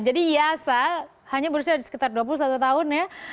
jadi yasa hanya berusia sekitar dua puluh satu tahun ya